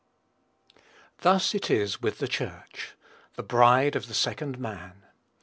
Thus it is with the Church, the bride of the Second Man.